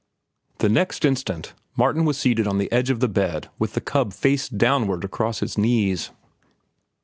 The next instant Martin was seated on the edge of the bed with the cub face downward across his knees.